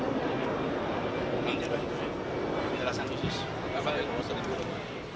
bagaimana perasaan musis